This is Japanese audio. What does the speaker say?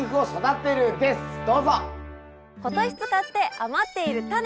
今年使って余っているタネ。